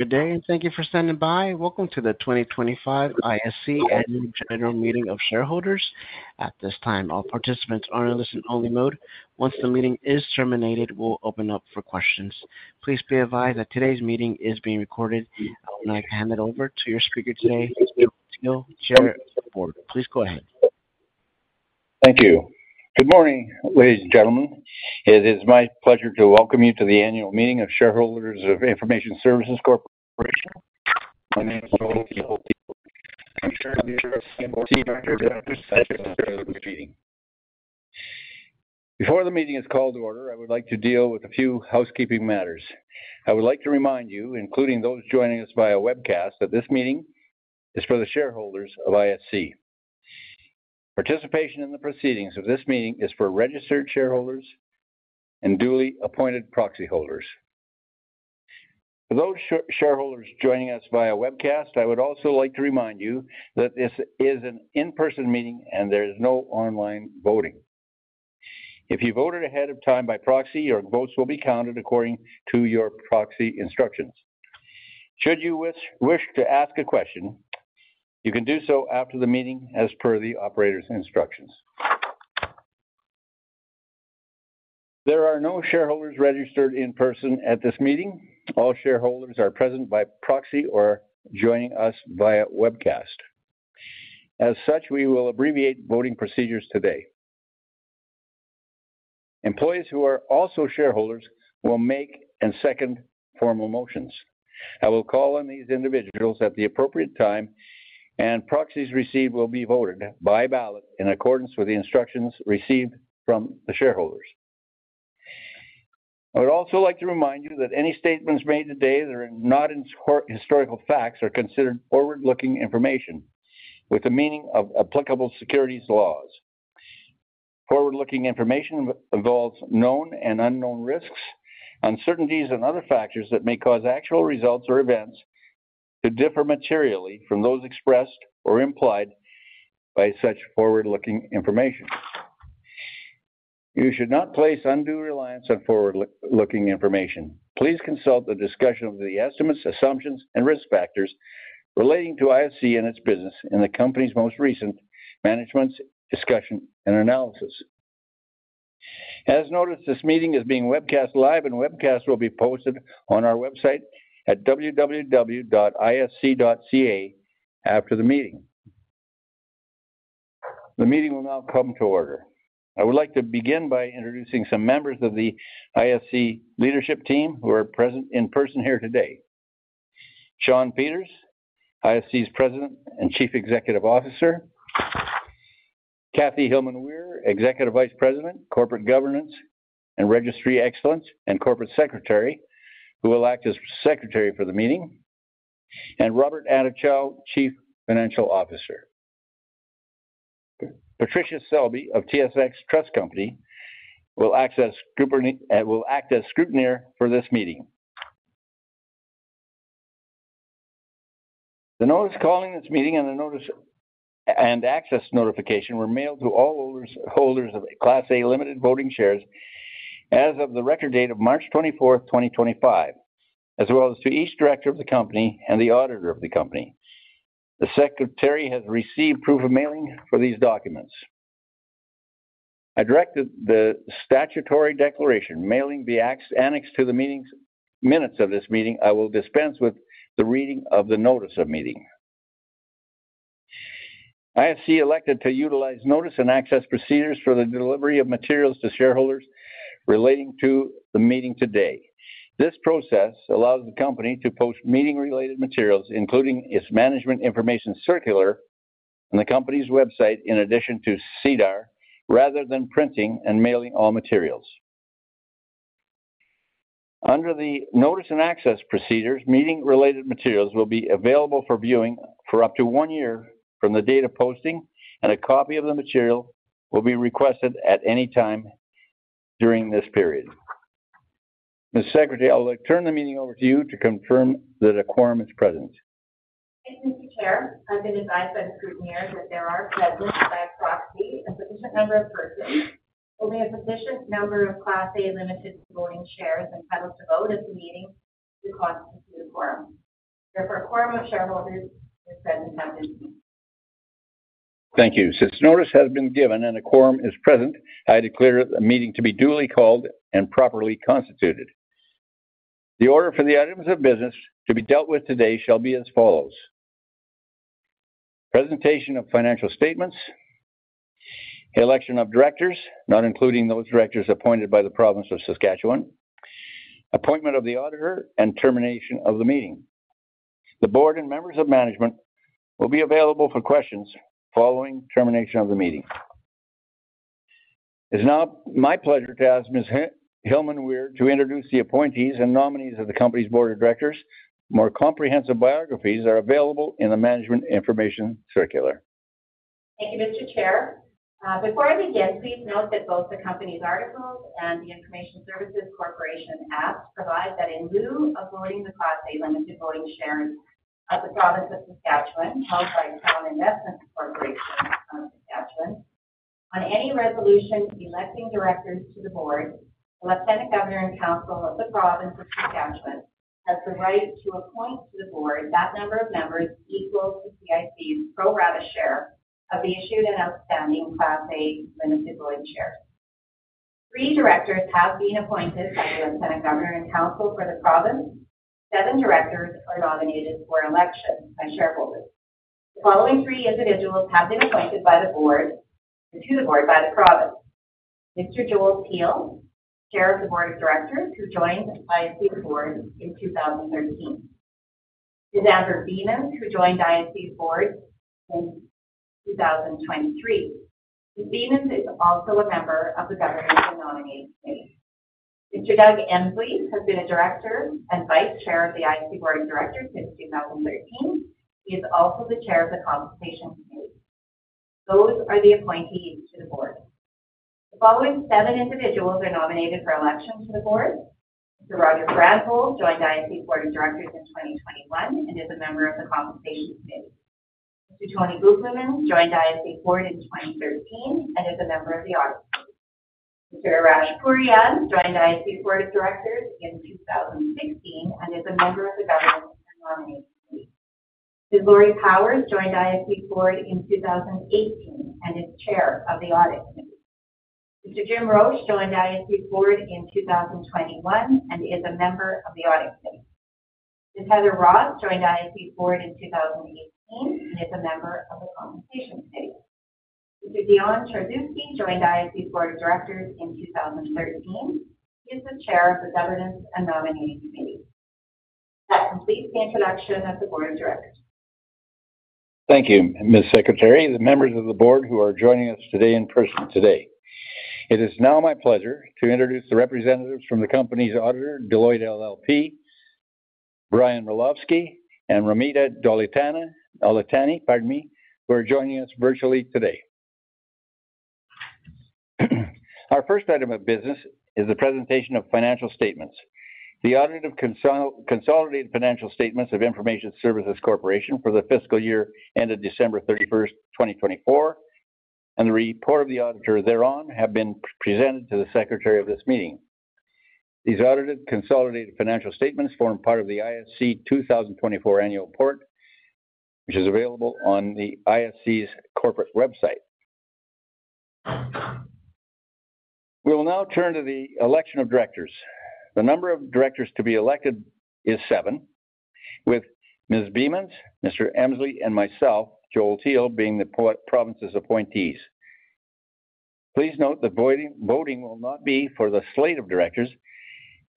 Good day, and thank you for standing by. Welcome to the 2025 Information Services Corporation Annual General Meeting of Shareholders. At this time, all participants are in listen-only mode. Once the meeting is terminated, we'll open up for questions. Please be advised that today's meeting is being recorded. I would like to hand it over to your speaker today, Chair of the Board. Please go ahead. Thank you. Good morning, ladies and gentlemen. It is my pleasure to welcome you to the Annual Meeting of Shareholders of Information Services Corporation. My name is Joel Teal, and I'm Chair of the Board of Directors. Before the meeting is called to order, I would like to deal with a few housekeeping matters. I would like to remind you, including those joining us via webcast, that this meeting is for the shareholders of ISC. Participation in the proceedings of this meeting is for registered shareholders and duly appointed proxy holders. For those shareholders joining us via webcast, I would also like to remind you that this is an in-person meeting, and there is no online voting. If you voted ahead of time by proxy, your votes will be counted according to your proxy instructions. Should you wish to ask a question, you can do so after the meeting as per the operator's instructions. There are no shareholders registered in person at this meeting. All shareholders are present by proxy or joining us via webcast. As such, we will abbreviate voting procedures today. Employees who are also shareholders will make and second formal motions. I will call on these individuals at the appropriate time, and proxies received will be voted by ballot in accordance with the instructions received from the shareholders. I would also like to remind you that any statements made today that are not historical facts are considered forward-looking information with the meaning of applicable securities laws. Forward-looking information involves known and unknown risks, uncertainties, and other factors that may cause actual results or events to differ materially from those expressed or implied by such forward-looking information. You should not place undue reliance on forward-looking information. Please consult the discussion of the estimates, assumptions, and risk factors relating to ISC and its business in the company's most recent management discussion and analysis. As noted, this meeting is being webcast live, and webcasts will be posted on our website at www.isc.ca after the meeting. The meeting will now come to order. I would like to begin by introducing some members of the ISC leadership team who are present in person here today: Sean Peters, ISC's President and Chief Executive Officer; Kathy Hillman-Weir, Executive Vice President, Corporate Governance and Registry Excellence, and Corporate Secretary, who will act as Secretary for the meeting; and Robert Atuchuk, Chief Financial Officer. Patricia Selby of TSX Trust Company will act as scrutineer for this meeting. The notice calling this meeting and the notice and access notification were mailed to all holders of Class A limited voting shares as of the record date of March 24, 2025, as well as to each director of the company and the auditor of the company. The Secretary has received proof of mailing for these documents. I direct that the statutory declaration mailing be annexed to the meeting's minutes of this meeting. I will dispense with the reading of the notice of meeting. ISC elected to utilize notice and access procedures for the delivery of materials to shareholders relating to the meeting today. This process allows the company to post meeting-related materials, including its management information circular on the company's website in addition to SEDAR, rather than printing and mailing all materials. Under the notice-and-access procedures, meeting-related materials will be available for viewing for up to one year from the date of posting, and a copy of the material may be requested at any time during this period. Ms. Secretary, I'll turn the meeting over to you to confirm that a quorum is present. Thank you, Mr. Chair. I've been advised by the scrutineer that there are present by proxy a sufficient number of persons, only a sufficient number of Class A limited voting shares entitled to vote at the meeting to constitute a quorum. Therefore, a quorum of shareholders is present at this meeting. Thank you. Since notice has been given and a quorum is present, I declare the meeting to be duly called and properly constituted. The order for the items of business to be dealt with today shall be as follows: presentation of financial statements, election of directors, not including those directors appointed by the Province of Saskatchewan, appointment of the auditor, and termination of the meeting. The board and members of management will be available for questions following termination of the meeting. It is now my pleasure to ask Ms. Hillman-Weir to introduce the appointees and nominees of the company's board of directors. More comprehensive biographies are available in the management information circular. Thank you, Mr. Chair. Before I begin, please note that both the company's articles and the Information Services Corporation Act provide that in lieu of voting the Class A limited voting shares of the Province of Saskatchewan, held by Crown Investments Corporation of Saskatchewan, on any resolution electing directors to the board, the Lieutenant Governor and Council of the Province of Saskatchewan has the right to appoint to the board that number of members equal to CIC's pro rata share of the issued and outstanding Class A limited voting shares. Three directors have been appointed by the Lieutenant Governor and Council for the Province. Seven directors are nominated for election by shareholders. The following three individuals have been appointed by the board to the board by the Province: Mr. Joel Holtz, Chair of the Board of Directors, who joined ISC's board in 2013; Ms. Amber Benes, who joined ISC's board in 2023. Ms. Benes is also a member of the governance and nominating committee. Mr. Doug Emslie has been a director and Vice Chair of the ISC Board of Directors since 2013. He is also the Chair of the Compensation Committee. Those are the appointees to the board. The following seven individuals are nominated for election to the board: Mr. Roger Bradshaw joined ISC Board of Directors in 2021 and is a member of the Compensation Committee. Mr. Tony Guglielmin joined ISC Board in 2013 and is a member of the Audit Committee. Mr. Arash Pakseresht joined ISC Board of Directors in 2016 and is a member of the governance and nominating committee. Ms. Lori Powers joined ISC Board in 2018 and is Chair of the Audit Committee. Mr. Jim Roche joined ISC Board in 2021 and is a member of the audit committee. Ms. Heather Ross joined ISC Board in 2018 and is a member of the compensation committee. Mr. Dion Tisi joined ISC Board of Directors in 2013. He is the chair of the governance and nominating committee. That completes the introduction of the Board of Directors. Thank you, Ms. Secretary, the members of the board who are joining us today in person today. It is now my pleasure to introduce the representatives from the company's auditor, Deloitte LLP, Brian Ralofsky, and Romita Daulatani, pardon me, who are joining us virtually today. Our first item of business is the presentation of financial statements. The audit of consolidated financial statements of Information Services Corporation for the fiscal year ended December 31, 2024, and the report of the auditor thereon have been presented to the Secretary of this meeting. These audited consolidated financial statements form part of the ISC 2024 annual report, which is available on the ISC's corporate website. We will now turn to the election of directors. The number of directors to be elected is seven, with Ms. Benes, Mr. Emslie, and myself, Joel Teal, being the province's appointees. Please note that voting will not be for the slate of directors,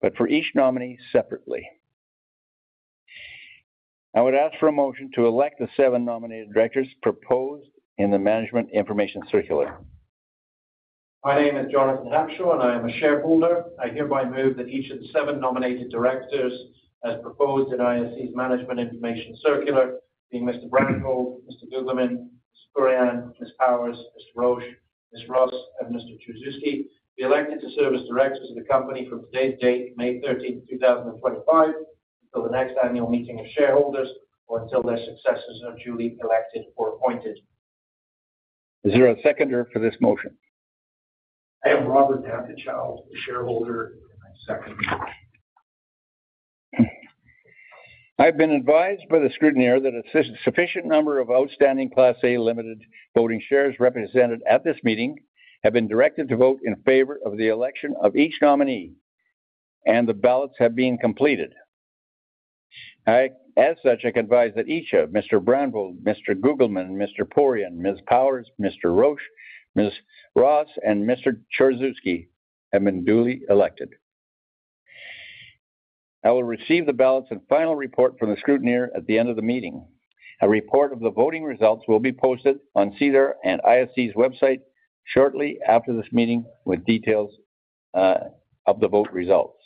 but for each nominee separately. I would ask for a motion to elect the seven nominated directors proposed in the Management Information Circular. My name is Jonathan Hackshaw, and I am a shareholder. I hereby move that each of the seven nominated directors as proposed in ISC's Management Information Circular, being Mr. Bradshaw, Mr. Guglielmin, Ms. Daulatani, Ms. Powers, Mr. Roche, Ms. Ross, and Mr. Tisi, be elected to serve as directors of the company from today's date, May 13, 2025, until the next annual meeting of shareholders or until their successors are duly elected or appointed. Is there a seconder for this motion? I am Robert Atuchuk, the shareholder, and I second the motion. I've been advised by the scrutineer that a sufficient number of outstanding Class A limited voting shares represented at this meeting have been directed to vote in favor of the election of each nominee, and the ballots have been completed. As such, I can advise that each of Mr. Bradshaw, Mr. Guglielmin, Mr. Roche, Ms. Powers, Mr. Roche, Ms. Ross, and Mr. Tchorzewski have been duly elected. I will receive the ballots and final report from the scrutineer at the end of the meeting. A report of the voting results will be posted on SEDAR and ISC's website shortly after this meeting with details of the vote results.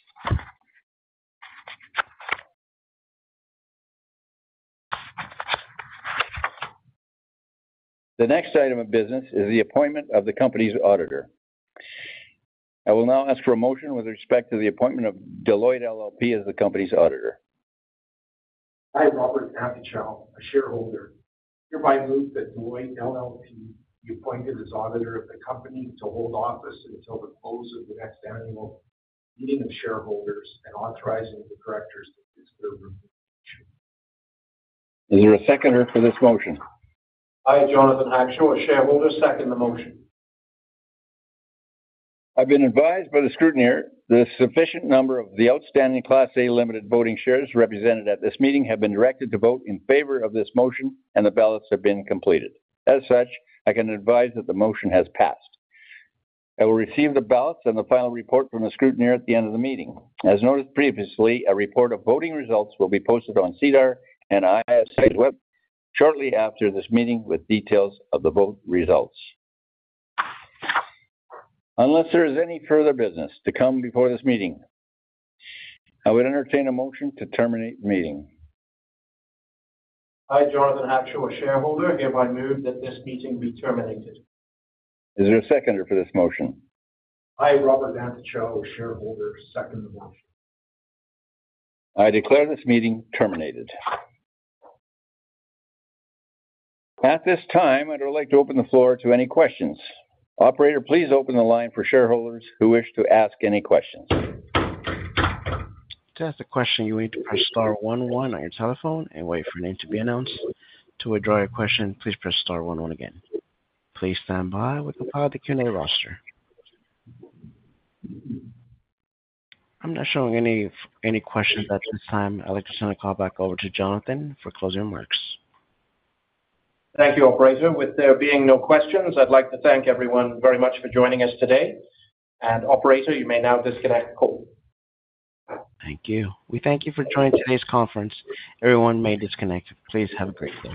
The next item of business is the appointment of the company's auditor. I will now ask for a motion with respect to the appointment of Deloitte LLP as the company's auditor. I am Robert Atuchuk, a shareholder. Hereby move that Deloitte LLP be appointed as auditor of the company to hold office until the close of the next annual meeting of shareholders and authorizing the directors to exclude them. Is there a seconder for this motion? I am Jonathan Hackshaw, a shareholder, second the motion. I've been advised by the scrutineer the sufficient number of the outstanding Class A limited voting shares represented at this meeting have been directed to vote in favor of this motion, and the ballots have been completed. As such, I can advise that the motion has passed. I will receive the ballots and the final report from the scrutineer at the end of the meeting. As noted previously, a report of voting results will be posted on SEDAR and ISC's web shortly after this meeting with details of the vote results. Unless there is any further business to come before this meeting, I would entertain a motion to terminate the meeting. I am Jonathan Hackshaw, a shareholder. Hereby move that this meeting be terminated. Is there a seconder for this motion? I am Robert Atuchuk, a shareholder, second the motion. I declare this meeting terminated. At this time, I'd like to open the floor to any questions. Operator, please open the line for shareholders who wish to ask any questions. To ask a question, you need to press star one one on your telephone and wait for a name to be announced. To withdraw your question, please press star one one again. Please stand by while we compile the Q&A roster. I'm not showing any questions at this time. I'd like to turn the call back over to Jonathan for closing remarks. Thank you, Operator. With there being no questions, I'd like to thank everyone very much for joining us today. Operator, you may now disconnect the call. Thank you. We thank you for joining today's conference. Everyone may disconnect. Please have a great day.